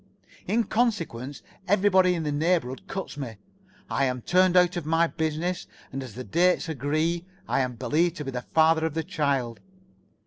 In consequence, everybody in this neighborhood cuts me, I am turned out of my business, and as the dates agree, I am believed to be the father of the child.